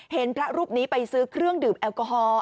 เห็นพระรูปนี้ไปซื้อเครื่องดื่มแอลกอฮอล์